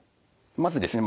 まずですね